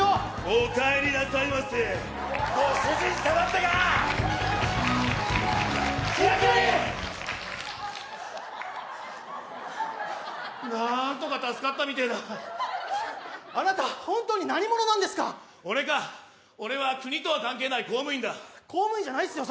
おかえりなさいませご主人様ってかキラキラリンキラキラリンなーんとか助かったみてえだあなたホントに何者なんですか俺か俺は国とは関係ない公務員だ公務員じゃないっすよ